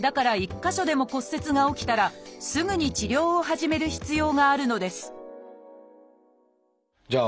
だから１か所でも骨折が起きたらすぐに治療を始める必要があるのですじゃあ